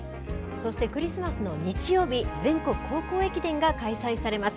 そして、クリスマスの日曜日、全国高校駅伝が開催されます。